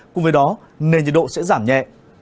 cùng với đó nền nhiệt độ sẽ giảm nhẹ